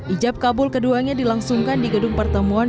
ijab kabul keduanya dilangsungkan di gedung pertemuan